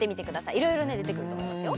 いろいろ出てくると思いますよ